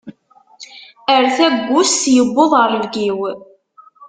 Ar tagust yewweḍ rrebg-iw.